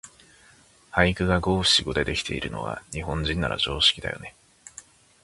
俳句が五七五でできているのは、日本人なら常識だよね。